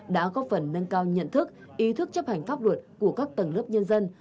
đã góp phần nâng cao nhận thức ý thức chấp hành pháp luật của các tầng lớp nhân dân